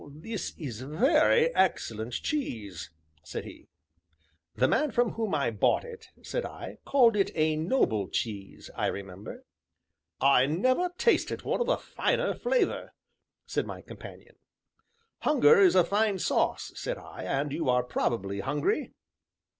"This is very excellent cheese!" said he. "The man from whom I bought it," said I, "called it a noble cheese, I remember." "I never tasted one of a finer flavor!" said my companion. "Hunger is a fine sauce," said I, "and you are probably hungry?"